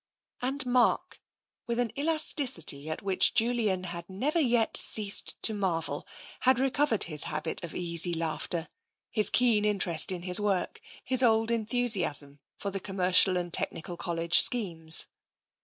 And Mark, with an elasticity at which Julian had never yet ceased to marvel, had recovered his habit of easy laughter, his keen interest in his work, his old TENSION 25 enthusiasm for the Commercial and Technical College schemes.